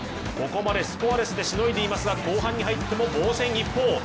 ここまでスコアレスでしのいでいますが後半に入っても防戦一方。